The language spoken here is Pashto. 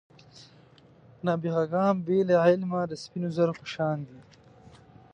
نابغه ګان بې له علمه د سپینو زرو په شان دي.